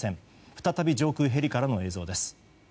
再び上空ヘリからの映像です。